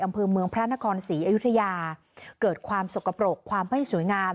อำเภอเมืองพระนครศรีอยุธยาเกิดความสกปรกความไม่สวยงาม